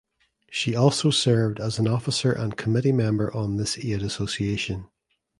She also served as an officer and committee member on this aid association.